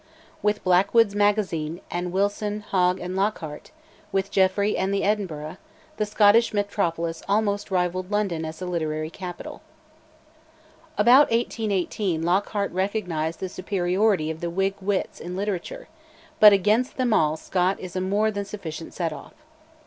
With 'Blackwood's Magazine' and Wilson, Hogg, and Lockhart; with Jeffrey and 'The Edinburgh,' the Scottish metropolis almost rivalled London as the literary capital. About 1818 Lockhart recognised the superiority of the Whig wits in literature; but against them all Scott is a more than sufficient set off.